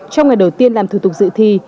trong ngày đầu tiên làm thủ tục dự thi